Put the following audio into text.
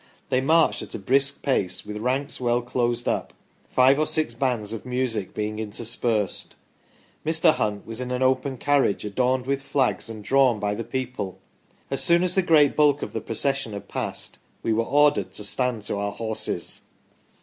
They marched at a brisk pace, with ranks well closed up, five or six bands of music being interspersed. Mr. Hunt was in an open carriage, adorned with flags and drawn by the people. As soon as the great bulk of the procession had passed, we were ordered to stand to our horses."